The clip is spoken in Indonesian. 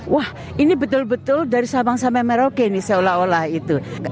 wah ini betul betul dari sabang sampai merauke